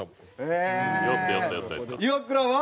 イワクラは？